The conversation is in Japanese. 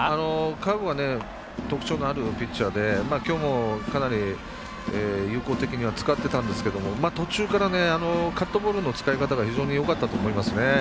彼は特徴のあるピッチャーで今日もかなり有効的に扱ってたんですけども途中からカットボールの使い方が非常によかったと思います。